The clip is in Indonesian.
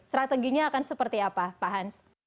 strateginya akan seperti apa pak hans